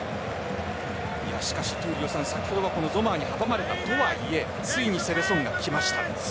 闘莉王さん、先ほどゾマーに阻まれたとはいえついにセレソンがきました。